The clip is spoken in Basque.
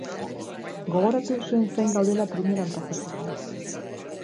Gogoratu zuen zain gaudela primeran pasatzeko.